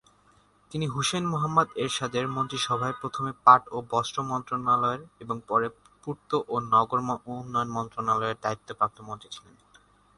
তিনি হুসেইন মোহাম্মদ এরশাদের মন্ত্রিসভায় প্রথমে পাট ও বস্ত্র মন্ত্রণালয়ের এবং পরে পূর্ত ও নগর উন্নয়ন মন্ত্রণালয়ের দায়িত্বপ্রাপ্ত মন্ত্রী ছিলেন।